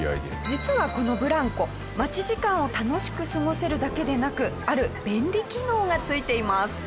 実はこのブランコ待ち時間を楽しく過ごせるだけでなくある便利機能が付いています。